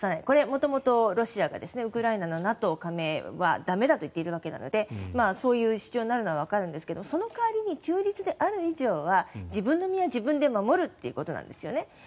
これは元々、ロシアがウクライナのＮＡＴＯ加盟は駄目だと言っているわけなのでそういう主張になるのはわかるんですがその代わりに中立である以上は自分の身は自分で守るということなんです。